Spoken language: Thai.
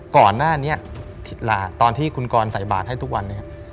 ก่อนหน้านี้ตอนที่คุณกรใส่บาทให้ทุกวันนี้